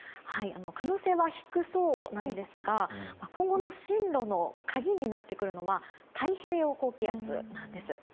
可能性は低そうなんですが今後の進路の鍵になってくるのは太平洋高気圧なんです。